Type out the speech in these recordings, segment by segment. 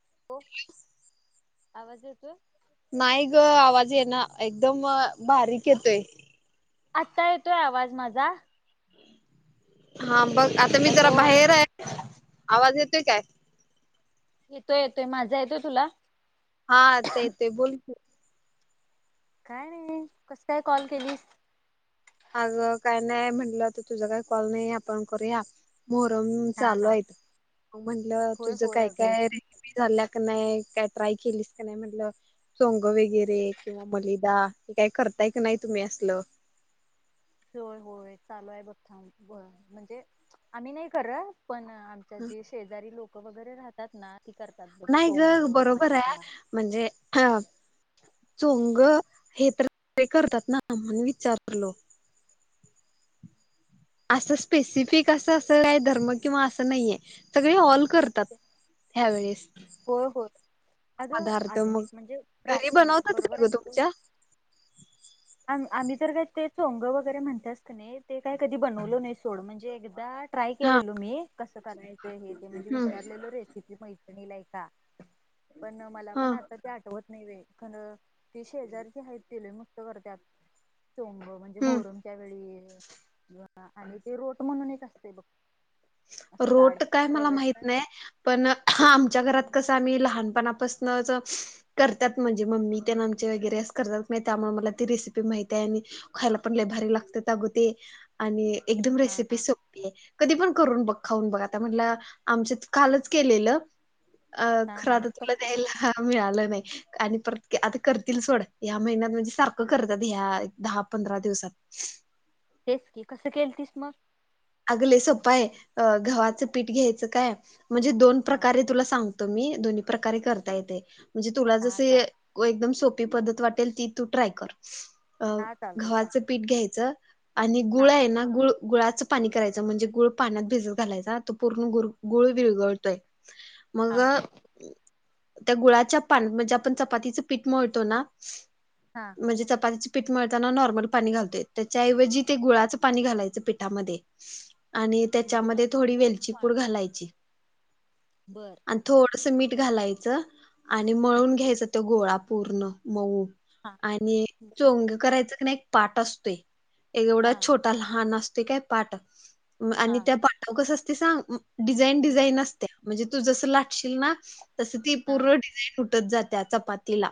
[inaudible] हो आवाज येतोय. नाही ग आवाज ये ना एकदम बारीक येतोय. आत्ता येतोय आवाज माझा. हा बघ आता मी जरा हॅलो बाहेर आहे आवाज येतोय काय. येतोय येतोय माझा येतोय तुला. हा आता येतंय बोल तू. काय नाही कस काय कॉल केलीस. अग काय नाही म्हंटलं आता तुझा काही कॉल नाही आपण करूया. मोहरम हा चालू हा आहेत म्हंटलं होय तुझं होय काय अगं काय रेसिपी झाल्या की नाही का ट्राय केलीस का नाही म्हटलं चोंग वगैरे किंवा मलिदा. काही करताय की नाही तुम्ही असल. होय होय चालू आहे बघ थांब बर म्हणजे आम्ही नाही करत पण आमच्या जे शेजारी लोक वगैरे राहतात ना ते नाही ग बरोबर आहे म्हणजे अ चोंग हे ते करतात ना म्हनून विचारलो. असं स्पेसिफिक असं काय धर्म किंवा असं नाहीये सगळे ऑल करतात. हया वेळेस. होय होय अगं पदार्थ मग आधुनिक म्हणजे घरी प्राचीन बनवतात बरोबर का ग आहे तू. तुमच्या आमी आम्ही जर काय ते चोंग वगैरे म्हणत्यास की नाही ते काय कधी बनवलो नाही थोड म्हणजे एकदा ट्राय हा केलेलो मी कसं करायचं हे ते म्हणजे हम्म विचारलेलो रेसिपी मैत्र णीला एकदा पण मला हा पण आता ते आठवत नाही ये खरं ती शेजारची हायत ति लई मस्त करत्यात चोंग म्हणजे हम्म मोहरमच्या वेळी आणि ते रोट म्हणून एक असतय बघ असं जाड रोट काय मला रव्या माहित नाही पण आमच्या घरात कस आम्ही लहानपणापासनच करत्यात म्हणजे मम्मी त्यामचे वगैरे करतात [unintelligible] मला ती रेसिपी माहित आणि खायला पण लई भारी लागतात अग ते आणि एकदम हा रेसिपी हा सोप आहे कधी पण करून ब खाऊून बघा म्हण आमच्या कालच केलेलं. अ हा हा ख्रदातला कस नाहीला मिीळालं आणि पर आ करतील सोड या महिन्यात म्हणज सारखं करतात ह दहा पंधरा दिवसात. [unintelligible] तेच की कसं केल तस मग. अगले सोपाय गव्हाचं पीठ घ्यायचं काय म्हणजे दोन हा प्रकारे तुला सांग. द प्रकारे करता बर येते म्हणजे तुला हा जस चाल एकदम सोप्प. पद्धत वाटेल ती तू ट्राय कर हा चालतय सांग गव्हाचं पीठ घ्यायचं. आणि हा गुळ आहे ना गुळ गुळाच. पाणी करायचं म्हणजे गुळ पाण्यात भिजत घालायचा तो पूर्ण गुळ विगळतोय. मग. हा त्या गुळाच्या पान म्हणजे आपण चपातीचं पीठ मळतो ना हा म्हणजे चपाती. पीठ मिळताना नॉर्मल पाणी घालतोय त्याच्याऐवजी ते गुळाचं पाणी घालायचं पिठामध्ये. आणि त्याच्यामध्ये थोडी वेलची बर पूड घालायची. बर आणि थोडस मीठ. घालायचं आणि मळून घ्यायचं त गोळा पूर्ण मऊ. हा आणि बर चोंग करायच क नाही एक पाट असतोय एक हा एवढा छोटा लहान असतो. ते काय पाठ आणि हा त्या पाठाव कस असते सांग डिझाईन डिझाईन असत्या. म्हणजे तू जसं लाटशील ना तस ती हा पूर्ण डिझाईन उटत जात चपातीला.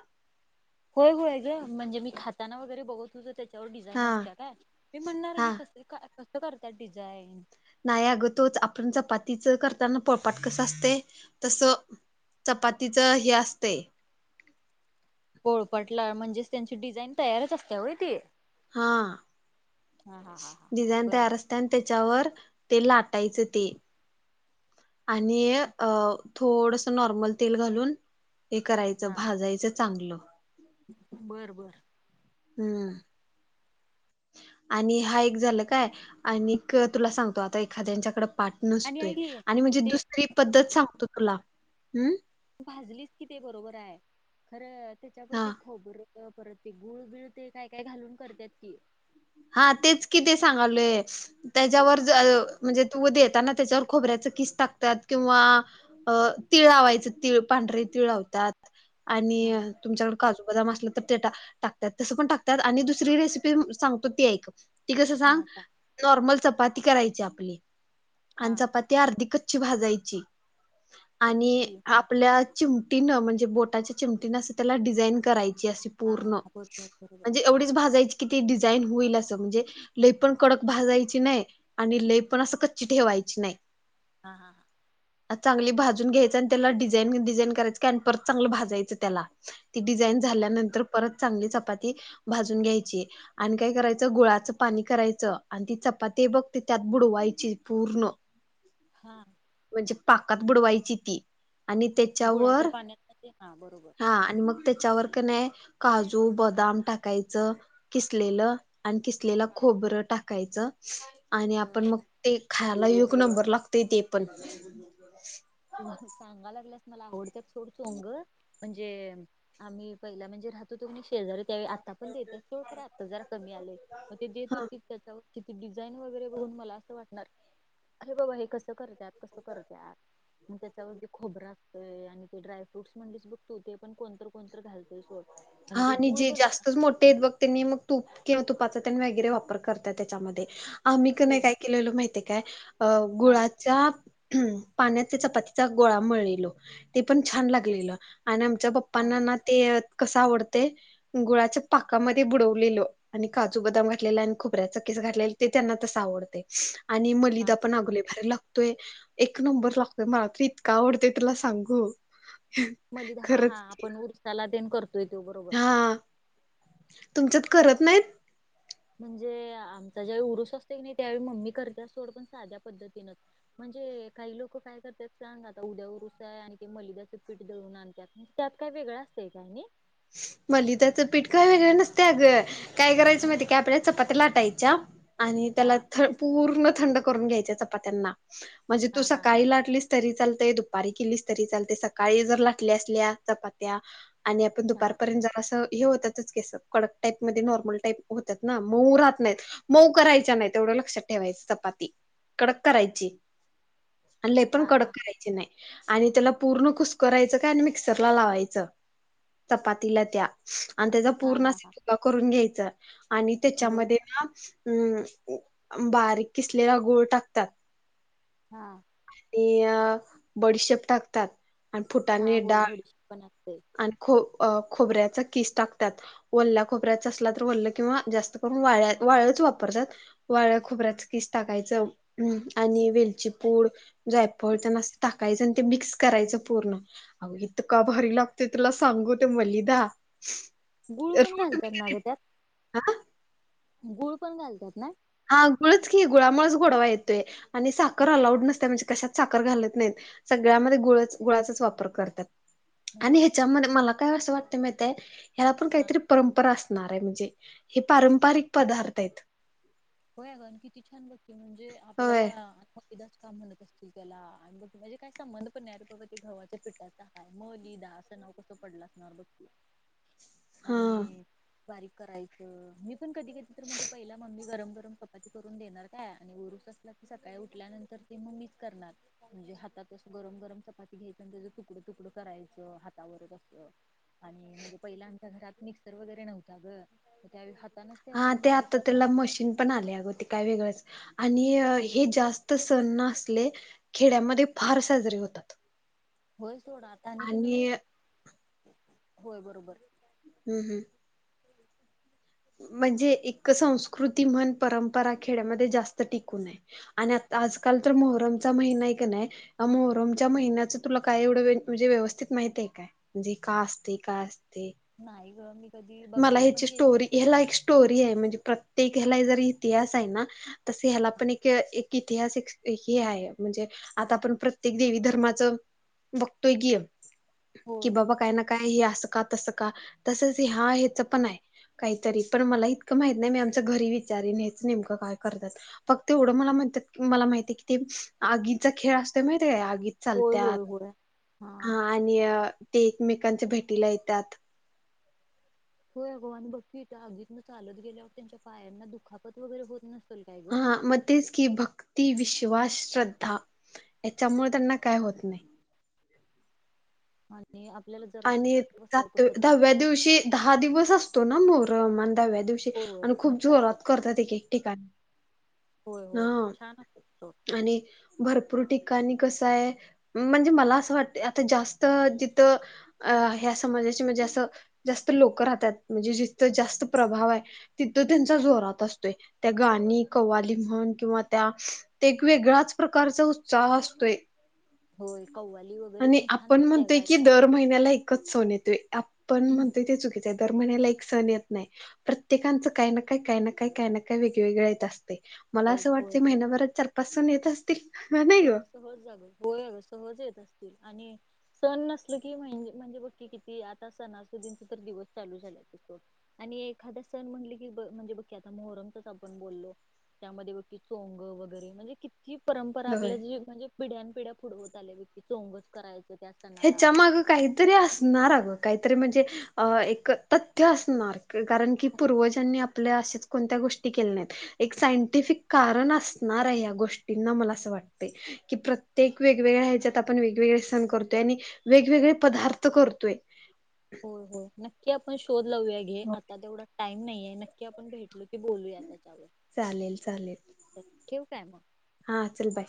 होय होय ग म्हणजे मी खाताना वगैरे बघत हो त्या. त्याच्यावर डिझाईन हा असत काय मी म्हणणार हे हा कस कसं करतात डिझाईन. नाही अग तोच आपण चपातीच करताना पळपाट कस असते तसं. चपातीच हे असते. पोळपटला म्हणजेच त्यांची डिझाईन तयारच असते होय ती. हा हा हा हा हा डिझाईन बर तयार बर असते आणि त्याच्यावर ते लाट. टायचं ते. आणि अ थोडस नॉर्मल तेल घालून हे करायचं हा भाजायचं. चांगलं. बर बर. हम. आणि हा एक झालं काय आणि तुला सांगतो आता एखाद्याच्याकडे. पाठ आणि नसतोय. ऐक की आणि म्हणजे ते दुसरी पद्धत सांगतो तुला. हुम्म भाजलीच कि ते बरोबर आहे. खरं हा त्याच्यावरती खोबर. परत ते गुळ बिळ ते काय काय घालून करत्यात की. हा तेच कि ते सांगालोय. ते त्याच्यावर सांग म्हणजे तू देताना त्याच्यावर खोबऱ्याच किस टाकतात. किंवा तिळ लावायचं तीळ. पांढरी तिळ लावतात. आणि हा तुमच्याकड काजू बदाम असलं तर ते टाकतात. तसं पण टाकतात. आणि दुसरी रेसिपी सांगतो ती ऐक. ती कस सांग. नॉर्मल चपाती करायची आपली. हा आणि चपाती अर्धि कच च्ची भाजायची. आणि कच्ची हा आपल्या चिम टीन म्हणजे बोटाच्या चिमटींन असं त्याला डिझाईन कराय करायची. आशी हा पूर्ण. बरोबर बरोबर म्हणजे हा येवडीचं भाजायची कीं डिझान होईल अस. म्हणजे लई पण कडक भाजायची नाही. आणि लई पण अस कच्ची ठेवायची नाही. हा हा हा चांगली भाजून घ्यायचं आणि त्याला डिझाईन डिझाईन करायचं. की आणि परत चांगलं भाजायचं त्याला. ती डिझाईन झाल्यानंतर परत चांगली चपाती भाजून घ्यायची. आणि काय हा करायचं गुळाचं पाणी करायचं. आणि ती चपाती बघ ते त्यात बुडवायची पूर्ण. हा म्हणजे पाकात बुडवायची ती. आणि त्याच्यावर गुळाच्या पाण्यात ते हा बरोबर हा आणि मग त्याच्यावर का नाही, काजू बदाम टाकायचं किसलेलं. आणि खिसलेला हा खोबरं टाकायचं. आणि आपण बर मग ते खायला एक नंबर लागतय ते पण. हो सांगा लागल्या मला आवडतात थोड शोंग. म्हणजे आम्ही पहिला म्हणजे राहत होतो की नाही शेजारी त्या आता पण देत्या. सोड आत्ता जरा कमी आलेय. मग ते देत होती त्याच्यावर तिथती डिझाईन वगैरे बघून मला असं वाटणार अरे बाबा हे कस करत्यात कस करत्यात. म त्याच्यावरती खोबरं असतय आणि ते ड्रायफ्रूट म्हणलीस बघ तु. ते पण कोणतर कोण हा आणि जे जास्तच मोठे आहेत बघ त्यांनी मग तू किंवा तुपाचा त्यां वगैरे वापर करत त्याच्यामध्ये. आम्ही का हो नाही काय केलेलं माहितेय काय? अ हा गुळाच्या हम्म पाण्यात त्या चपातीचा गोळा मळलेलो. ते पण छान लागलेलो. आणि आमच्या हा पप्पांना ना कस आवड गुळाच्या पाकामध्ये बुडवलेलो आणि काजू बदाम घातलेला आणि खोब च कीस घातलेलं त्यांना तस आवडत. आणि हा मलिदा हा पण अग लय भारी लागतो. तू एक नंबर लागतोय. मलाात इतका आवडतोय तुला सांगू. मलिदा, हा हा खरंच आपण उरसाला तेन करतोय तो बरोबर. हा तुमच्यात करत नाहीत. म्हणजे आमचा ज्याळी उरुस असते कि नाही त्यावेळी मम्मी करते. अस सोड पण साध्या पद्धतीनच म्हणजे काही लोक काय करतात सांग. आता उद्यावर उरूस आहे. आणि ते मलिदाचं पीठ दळून आणत्यात त्यात काय वेगळं असत काय नाही. मलिदाचं पीठ काय वेगळं नसते अगं. काय करायचं माहिती मग काय आपल्या चपात्या लाटाय च्या आणि त्याला हा थ पूर्ण थंड करून घ्यायच्या चपात्यांना. म्हणजे हा तू हा हा सकाळी लाटलीस तरी चाल दुपारी केलीस तरी चालते. सकाळी जर लाटल्या असल्या चपात्या आणि आपण हा दुपारपर्यंत जरा हे होतात कडक टाईप म नॉर्मल टाईप होतात ना. मऊ राहत नाहीत. मऊ करायच्या नाहीत एवढं लक्षात ठे ठेवा चपाती कडक करायची. आणि लय पण हा हा कडक करायची नाही. आणि त्याला पूर्ण कुसकरायचं काय आणि मिक्सरला लावायचं. चपातीला त्या. आणि त्याचा हा पूर्ण हा हा असा करून घ्यायचा आणि बर त्याच्यामध्ये ना अं बारीक किसलेला गुळ टाकतात. हा. आणि अ बडीशेप टाकतात, आणि हा, फुटाणे होय डाळ बडीशेप पण- आणि खूप- खोबर्याचा किस टाकत्यात, वल्या खोबर्याचा असला तर वल्ल किंवा जास्त करून वाळल्या- ट [unintelligible] जायफळ ते मस्त टाकायच आणि ते मिक्स करायचं पूर्ण अग इंतका भारी लागतय. ते तुला सांगू ते मलिदा- गुळ पण रोट मी घालतात कधी ना ग त्यात, हा गुळ पण घालतात ना. - हा, गुळच की गुळामुळेच गोडवा येतोय आणि साखर अलाऊड नसत म्हणजे- कशात साखर घालत नाहीत सगळ्यामध्ये गुळच, गुळाचाच वापर करतात. म्हणजे आणि बघ ह्याच्यामध्ये मला काय असं वाटतं माहीतेय, ह्याला पण हा काहीतरी परंपरा असणार आहे म्हणजे- हे पारंपरिक पदार्थ आहेत. होय अग, किती छान बघ की म्हणजे होय आपल्याला- च काम म्हणत असतील त्याला आणि ब माझे काय संबंध पण नाही अे बाबा ते घवाच्या पिठाचा काय मलीदा. असं नाव कसं पडलं असणार बघ की. हा आणि बारीक करायचं मी पण कधी, कधी तर म्हणजे पहिला मम्मी गरम- क [inaudible] [unintelligible] देणार काय आणि उरूस असला की, सकाळी उठल्यानंतर ते मीच करणार म्हणजे हातात असं गर- गरम चपाती घ्यायच आणि त्याच तुकडं- तुकडं करायचं हातावरच अस. आणि म्हणजे पहिल्या घरात मिक्सर वगैरे नव्हता ग, त्यावेळी- हातानच हा असं ते बारीक आता त्याला करणार मशीन पण आल्या. काय वेगळंच आणि हे जास्त सण ना आसले, खेड्यामध्ये फार- होतात. होय थोडा आता क नाही, आणि होय बरोबर. हम्म. हम्म. म्हणजे एक संस्कृती म्हण परंपरा खेड्यामध्ये जास्त टिकून ये आणि आज, आजकाल तर मोहरमचा महिना आहे का नाही मोहरमच्या महिन्याच तुला काय एवढं म्हणजे व्यवस्थित माहि- काय म्हणजे का असते काय? नाई ग- कधी मला बघायला पण ह्याची गेले स्टोरी ह्याला एक स्टोरी आहे, म्हणजे प्र- ते ह्याला जर इतिहास आहे ना, तस ह्याला पण एक इतिहास हे आहे, म्हणजे- आता आपण प्रत्येक देवी धर्माच बघतोय की- कि होय बाबा काय ना काय हे असं का, तसं का, तसच हा ह्याच पण हाय. काहीतरी पण मला इतकं माहित नाही, मी आमच घरी विचारीन हेच नेमकं काय करतात फक्त एवढं मला- मला माहि क ते आगीचा खेळ असतोय माहिताय का? होय चालत्यात होय होय हा आणि हा- ते एकमेकांच्या भेटीला येतात. होय अ ग! बघकी आगीतन चालत गेल्यावर त्यांच्या पायांना दुखापत वगैरे होत नसते. हा म तेच की भक्ती, विषय- विश्वास, श्रद्धा, याच्यामुळे त्यांना काय होत नाही. आणि आपल्याला जरासं आणि चटक स बसल्यागत होतंय दहाव्या दिवशी, दहा दिवस असतो ना मोहरम. दहाव्या दिवशी होय आणि खूप म्हणतात ते जोरात करतात एक-एक ठिकाणी. होय होय हा छान वाटतं. आणि भरपूर ठीक- कानी कसं हाय, म्हणजे मला असं वाटत आता जास्त जिथ- अ ह्या समाजाचे म्हणजे, असं जास्त लोक राहतात, म्हणजे जिथं जास्त प्रभाव हाय- तिथं त्यांचा जोरात असतो. त्या गाणी कवाली म्हण किंवा त्या वेगळ्याच प्रकारचा उत्साह असत- तोय. होय कौ- आणि आपण म्हणतोय की दर महिन्याला एकच सण येतोय आपण म्हणतोय ते चुकीचं हाय दर महिन्याला एक, सण येत नाही प्रत्येकांच काही ना काही काही ना काही काही ना काही वेगवेगळे येत असतय. मला तेच असं होय होय वाटतं महिनयाभरात चार पाच सण येत असतील. नाही ग [unintelligible] सहज येत असतील आणि सण नसल की म्हणजे म्हणजे बघ क किती आता सणा सिद्दीचा दिवस. दिवस चालू एखादा सण म्हणले की म्हणजे बघ आता मोहरम कस आपण बोललो. त्यामध्ये ब चोंग वगैरे म्हणजे किती परंपरा, होय. आपले जे म्हणजे पिढ्या्यां पिढ्या फूड आल्या वैती चोंगच करायचं. त्या सणाला ह्याच्या माग काहीतरी असणार अ ग? काहीतरी म्हणजे एक तथ्य असणार कारण की पूर्वजांनी आपल्या अशेच कोणत्या, गोष्टी केल्या नाइट एक सायंटिफिक कारण असणार आहे या गोष्टींना मला असं वाटतंय. प्रत्येक वेगवेगळ्या ह्याच्यात आपण वेगवेगळे सण करतोय आणि वेगवेगळे पदार्थ करतोय. हो हो नक्की! आपण शोध लावूया घे आता तेवढा टाइम नाहीये नक्की आपण भेटलो, म बोलूया त्याच्यावर चालेल चालेल तर ठेव काय मग? हा चल बाय.